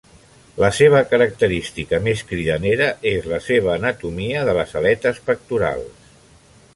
La seva característica més cridanera és la seva anatomia de les aletes pectorals.